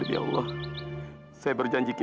ya allah saya berjanji ke